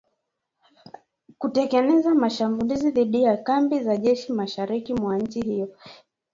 kutekeleza mashambulizi dhidi ya kambi za jeshi mashariki mwa nchi hiyo,